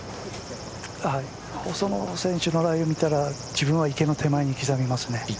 細野選手のライを見たら自分は池の手前に刻みますね。